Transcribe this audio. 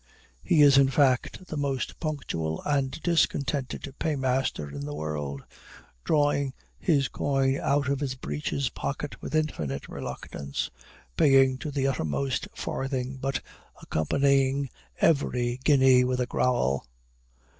He is in fact the most punctual and discontented paymaster in the world; drawing his coin out of his breeches pocket with infinite reluctance; paying to the uttermost farthing, but accompanying every guinea with a growl.